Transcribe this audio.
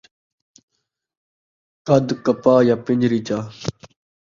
قد کَپا یا پن٘ڄری چا